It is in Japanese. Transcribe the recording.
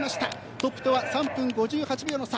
トップとは３分５８秒の差。